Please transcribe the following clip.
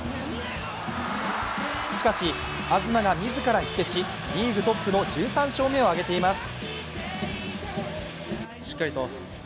しかし、東が自ら火消し、リーグトップの１３勝目を挙げています。